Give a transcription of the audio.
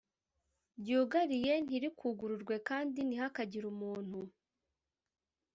ryugariye ntirikugururwe kandi ntihakagire umuntu